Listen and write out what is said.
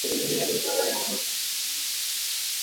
Beraue ambapo ndipo alipojenga makazi yake hadi hivi sasa